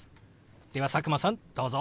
では佐久間さんどうぞ。